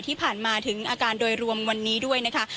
ที่ผ่านมาถึงอาการโดยรวมวันนี้ด้วยนะคะ